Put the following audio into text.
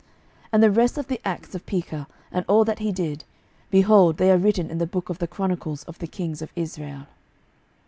12:015:031 And the rest of the acts of Pekah, and all that he did, behold, they are written in the book of the chronicles of the kings of Israel.